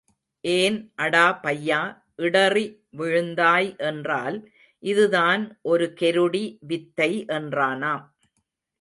ஏன் அடா பையா, இடறி விழுந்தாய் என்றால் இதுதான் ஒரு கெருடி வித்தை என்றானாம்.